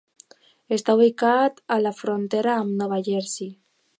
Està ubicat a la frontera amb Nova Jersey.